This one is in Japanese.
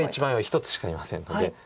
１つしかいませんので。